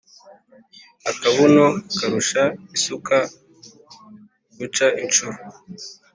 Akabuno karusha isuka guca inshuro.